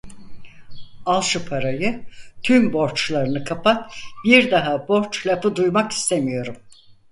Al şu parayı, tüm borçlarını kapat, bir daha borç lafı duymak istemiyorum.